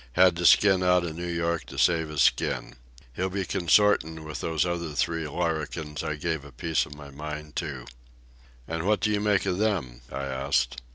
"Had to skin outa New York to save his skin. He'll be consorting with those other three larrakins I gave a piece of my mind to." "And what do you make of them?" I asked.